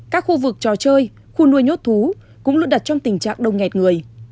các khu vực trò chơi khu nuôi nhốt thú cũng luôn đặt trong tình trạng đông nghẹt người